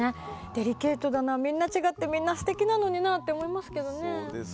デリケートだな、みんな違ってみんなすてきなのになと思いますけどね。